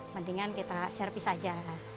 mendingan kita servis saja